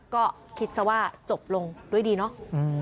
ก็คิดซะว่าจบลงด้วยดีเนาะ